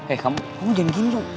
eh kamu jangan gini dong